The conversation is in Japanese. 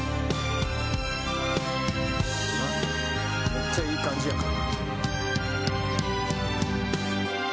めっちゃいい感じやから。